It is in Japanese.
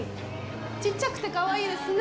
ちっちゃくてかわいいですね